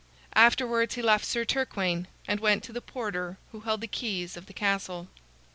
Afterwards he left Sir Turquaine, and went to the porter who held the keys of the castle.